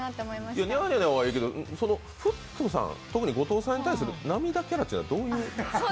ニャニャニャーはええけどフットさん特に後藤さんに対する涙キャラというのはどういう？